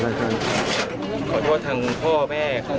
ระวังนะครับ